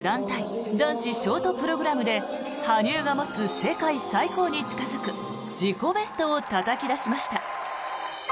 北京の舞台でも団体男子ショートプログラムで羽生が持つ世界最高に近付く自己ベストをたたき出しました。